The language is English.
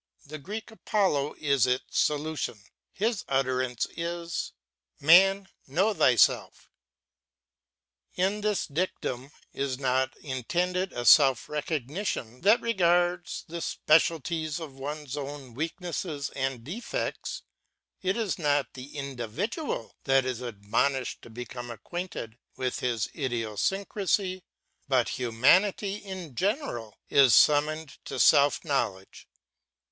The Greek Apollo is its solution; his utterance is: ^Man^ know thyself^ In this dictum is not intended a self recognition that regards the special ties of one's own weaknesses and defects: it is not the individual that is admonished to become acquainted with his idiosyncrasy, but humanity in general is summoned to self knowledge.